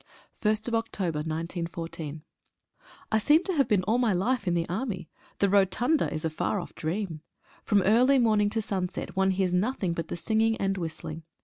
«> H <8> 1/10/14. J SEEM to have been all my life in the Army — the Rotunda is a far off dream. From early morning to sunset one hears nothing but the singing and whistling.